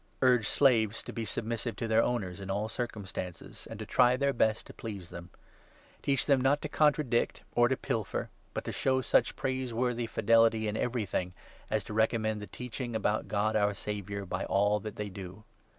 Urge slaves to be submissive to their owners 9 in all circumstances, and to try their best to please them. Teach them not to contradict or to pilfer, but to show such 10 praiseworthy fidelity in everything, as to recommend the teaching about God our Saviour by all that they do.